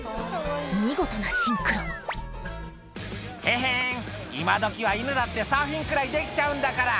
見事なシンクロ「ヘヘン今どきは犬だってサーフィンくらいできちゃうんだから」